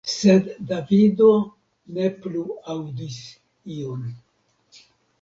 Sed Davido ne plu aŭdis ion.